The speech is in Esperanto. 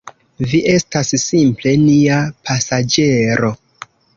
Vi estas simple nia pasaĝero.